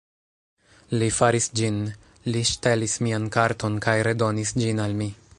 Li faris ĝin, li ŝtelis mian karton kaj redonis ĝin al mi